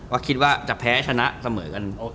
ว่าคิดว่าจะแพ้จะชนะสำเหรอกัน